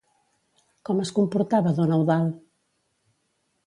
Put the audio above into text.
Com es comportava Don Eudald?